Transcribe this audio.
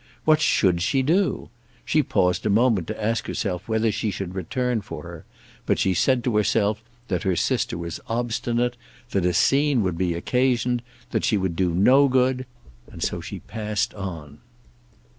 What should she do? She paused a moment to ask herself whether she should return for her; but she said to herself that her sister was obstinate, that a scene would be occasioned, that she would do no good, and so she passed on.